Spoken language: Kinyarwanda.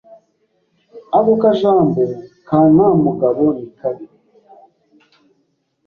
ako ka jambo ka nta mugabo nikabi